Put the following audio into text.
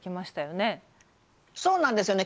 そうなんですよね